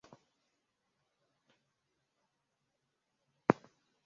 Begi langu.